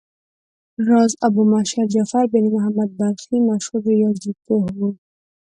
راز ابومعشر جعفر بن محمد بلخي مشهور ریاضي پوه و.